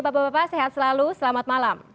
bapak bapak sehat selalu selamat malam